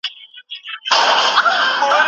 سفیران ولي د وګړو شخصي حریم ساتي؟